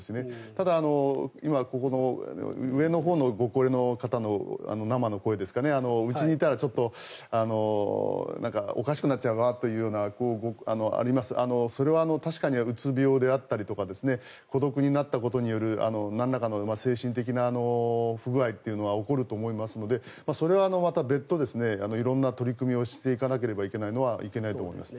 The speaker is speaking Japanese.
ただ、今、上のほうのご高齢の方の生の声うちにいたらおかしくなっちゃうわという声がありますがそれは確かにうつ病であったり孤独になったことによるなんらかの精神的な不具合というのは起こると思いますのでそれはまた別途色んな取り組みをしていかなければいけないのはいけないと思います。